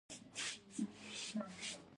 په دي خبره وياړم چي پښتون يم